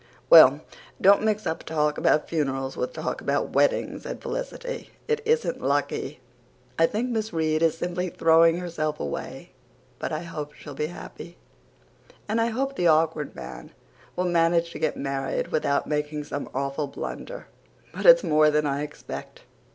"Well, don't mix up talk about funerals with talk about weddings," said Felicity. "It isn't lucky. I think Miss Reade is simply throwing herself away, but I hope she'll be happy. And I hope the Awkward Man will manage to get married without making some awful blunder, but it's more than I expect."